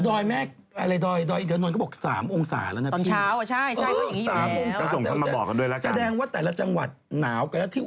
ดอยแม็กซ์อะไรดอยดอยอินเตอร์นอนก็บอก๓องศาแล้วนะพี่